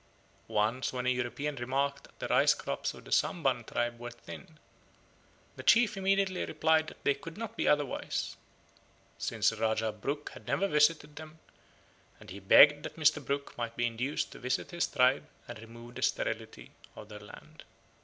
Once when a European remarked that the rice crops of the Samban tribe were thin, the chief immediately replied that they could not be otherwise, since Rajah Brooke had never visited them, and he begged that Mr. Brooke might be induced to visit his tribe and remove the sterility of their land.